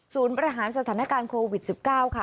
ประหารสถานการณ์โควิด๑๙ค่ะ